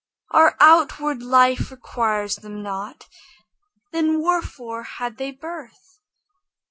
Our outward life requires them not, Then wherefore had they birth?